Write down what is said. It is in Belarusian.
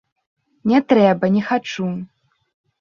Не трэба, не хачу.